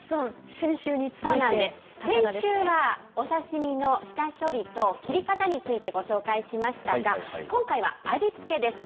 先週はお刺身の下処理と切り方についてご紹介しましたが、今回は味付けです。